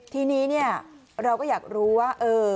ทีนี้เราก็อยากรู้ว่า